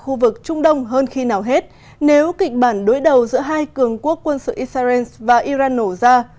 khu vực trung đông hơn khi nào hết nếu kịch bản đối đầu giữa hai cường quốc quân sự israel và iran nổ ra